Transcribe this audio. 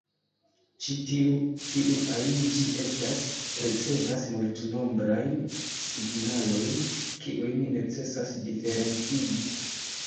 Ĉi tiu, kiu ajn ĝi estas, ricevas multnombrajn signalojn kiujn necesas diferencigi.